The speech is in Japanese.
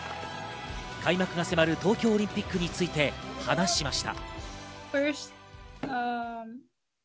開幕が迫る東京オリンピックについて話しました。